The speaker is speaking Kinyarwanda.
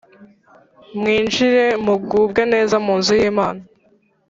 Mwinjire mugubwe neza munzu yimana